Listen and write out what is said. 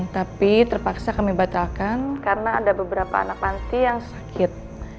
tapi terpaksa kami batalkan karena ada beberapa anak panti yang sakit